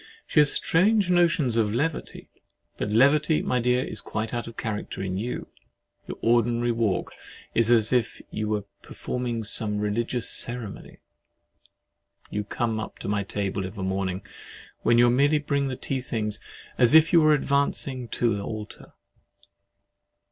She has strange notions of levity. But levity, my dear, is quite out of character in you. Your ordinary walk is as if you were performing some religious ceremony: you come up to my table of a morning, when you merely bring in the tea things, as if you were advancing to the altar.